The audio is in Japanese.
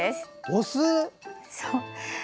お酢？